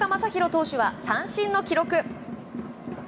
投手は三振の記録。